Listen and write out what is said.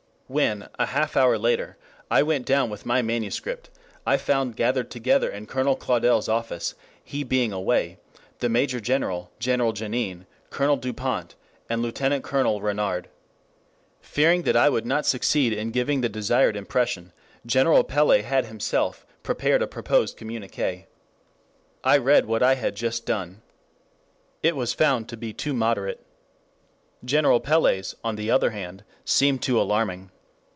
When, a half hour later, I went down with my manuscript, I found gathered together in Colonel Claudel's office, he being away, the major general, General Janin, Colonel Dupont, and Lieutenant Colonel Renouard. Fearing that I would not succeed in giving the desired impression, General Pellé had himself prepared a proposed communiqué. I read what I had just done. It was found to be too moderate. General Pellé's, on the other hand, seemed too alarming.